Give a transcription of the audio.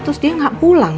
terus dia gak pulang